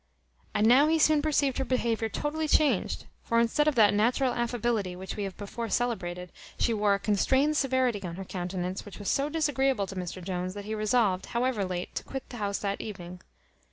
And now he soon perceived her behaviour totally changed; for instead of that natural affability which we have before celebrated, she wore a constrained severity on her countenance, which was so disagreeable to Mr Jones, that he resolved, however late, to quit the house that evening.